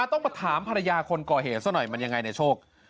ต้องมาถามภรรยาคนก่อเหตุซะหน่อยมันยังไงในโชค